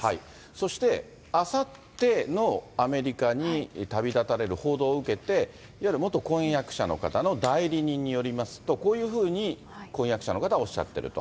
そしてあさってのアメリカに旅立たれる報道を受けて、いわゆる元婚約者の方の代理人によりますと、こういうふうに婚約者の方はおっしゃってると。